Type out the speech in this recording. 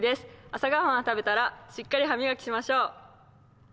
朝御飯を食べたら、しっかり歯磨きしましょう。